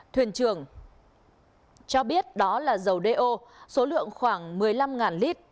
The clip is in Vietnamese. thuyền trường cho biết đó là dầu đeo số lượng khoảng một mươi năm lít